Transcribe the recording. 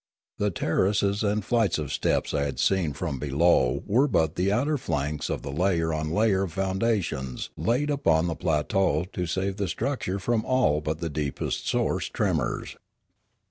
The terraces and flight of steps I had seen from below were but the outer flanks of the layer on layer of foundations laid upon the plateau to save the structure from all but the deepest sourced tremors.